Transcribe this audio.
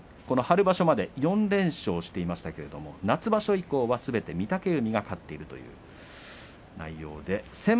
この春場所まで４連勝していましたけれども夏場所以降はすべて御嶽海が勝っているという内容です。